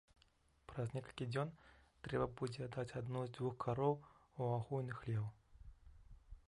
Праз некалькі дзён трэба будзе аддаць адну з дзвюх кароў у агульны хлеў.